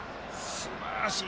すばらしい。